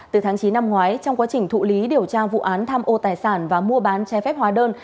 từ tháng chín năm ngoái trong quá trình thụ lý điều tra vụ án tham ô tài sản và mua bán trái phép hóa đơn